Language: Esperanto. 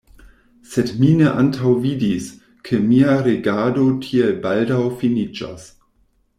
Sed mi ne antaŭvidis, ke mia regado tiel baldaŭ finiĝos.